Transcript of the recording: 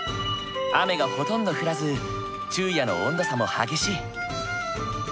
雨がほとんど降らず昼夜の温度差も激しい。